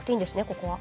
ここは。